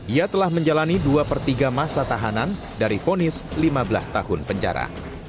ia telah menjalani dua per tiga masa tahanan dari fonis lima belas tahun penjara